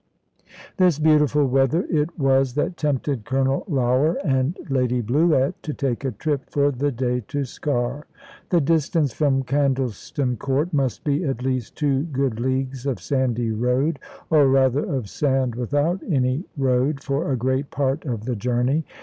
This beautiful weather it was that tempted Colonel Lougher and Lady Bluett to take a trip for the day to Sker. The distance from Candleston Court must be at least two good leagues of sandy road, or rather of sand without any road, for a great part of the journey.